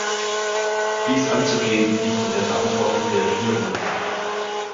Dies anzugehen, liegt in der Verantwortung der Regierungen.